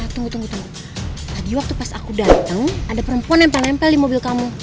tunggu tunggu tunggu tadi waktu pas aku datang ada perempuan nempel nempel di mobil kamu